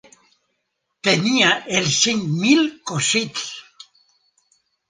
Tenia els cinc mil cosits!